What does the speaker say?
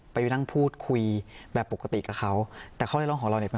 ไปนั่งพูดคุยแบบปกติกับเขาแต่ข้อเรียกร้องของเราเนี่ย